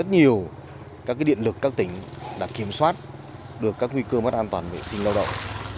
nhiều các điện lực các tỉnh đã kiểm soát được các nguy cơ mất an toàn vệ sinh lao động